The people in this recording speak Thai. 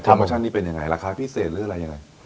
โมชั่นนี้เป็นยังไงราคาพิเศษหรืออะไรยังไง